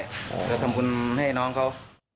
จะทำบุญให้น้องเขา